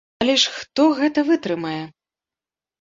Але ж хто гэта вытрымае?